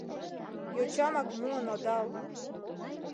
Йочамак муын одал.